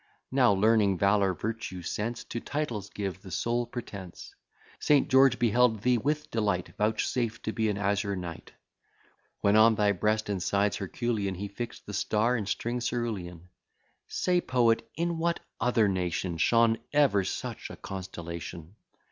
Now learning, valour, virtue, sense, To titles give the sole pretence. St. George beheld thee with delight, Vouchsafe to be an azure knight, When on thy breast and sides Herculean, He fix'd the star and string cerulean. Say, poet, in what other nation Shone ever such a constellation!